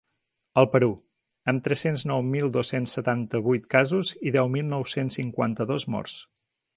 El Perú: amb tres-cents nou mil dos-cents setanta-vuit casos i deu mil nou-cents cinquanta-dos morts.